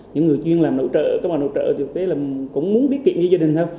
những người chuyên làm nội trợ các bà nội trợ thực tế cũng muốn tiết kiệm cho gia đình thôi